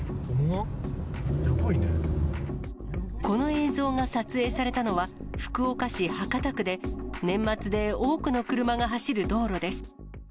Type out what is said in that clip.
この映像が撮影されたのは、福岡市博多区で、年末で多くの車が走る道路です。